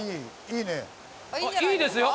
いいですよ。